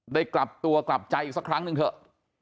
กลับตัวกลับใจอีกสักครั้งหนึ่งเถอะ